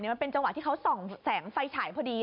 มันเป็นจังหวะที่เขาส่องแสงไฟฉายพอดี